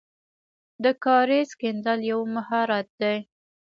د کاریز کیندل یو مهارت دی.